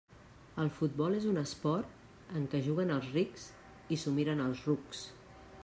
El futbol és un esport en què juguen els rics i s'ho miren els rucs.